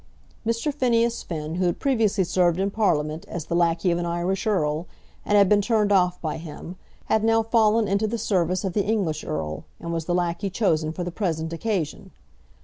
Mr. Phineas Finn, who had previously served in Parliament as the lacquey of an Irish earl, and had been turned off by him, had now fallen into the service of the English earl, and was the lacquey chosen for the present occasion.